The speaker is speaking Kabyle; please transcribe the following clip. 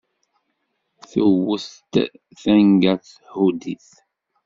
Tewwet-d tenga thudd-it.